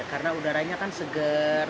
karena udaranya kan seger